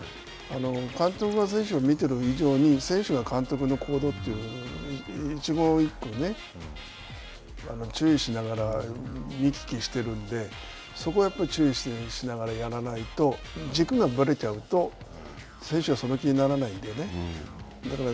監督が選手を見ている以上に選手は監督の行動というのを一言一句注意しながら見聞きしてるんでそこはやっぱり注意しながらやらないと、軸がぶれちゃうと選手がその気にならないのでね。